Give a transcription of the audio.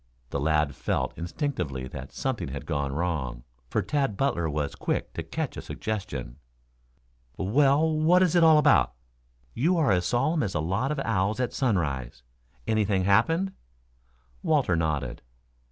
The lad felt instinctively that something had gone wrong, for Tad Butler was quick to catch a suggestion. "Well, what is it all about? You are as solemn as a lot of owls at sunrise. Anything happened?" Walter nodded.